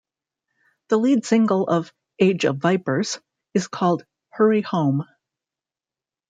The lead single of "Age Of Vipers" is called "Hurry Home".